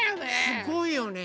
すごいよね！